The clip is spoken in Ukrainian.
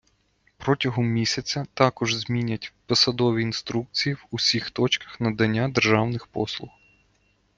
Протягом місяця також змінять посадові інструкції в усіх точках надання державних послуг.